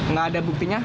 nggak ada buktinya